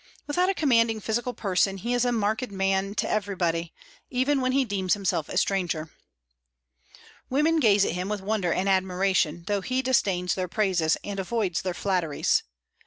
Without a commanding physical person, he is a marked man to everybody, even when he deems himself a stranger. Women gaze at him with wonder and admiration, though he disdains their praises and avoids their flatteries.